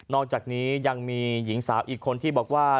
อกจากนี้ยังมีหญิงสาวอีกคนที่บอกว่า